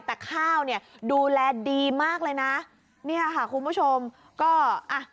แต่ข้าวเนี่ยดูแลดีมากเลยนะเนี่ยค่ะคุณผู้ชมก็อ่ะ